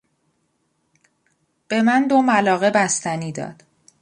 به من دو ملاقه بستنی داد.